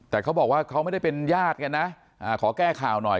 แต่เขาบอกว่าเขาไม่ได้เป็นญาติกันนะขอแก้ข่าวหน่อย